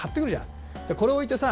これ置いてさ